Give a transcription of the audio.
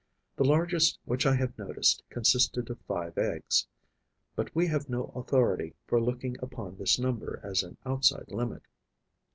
The largest which I have noticed consisted of five eggs, but we have no authority for looking upon this number as an outside limit.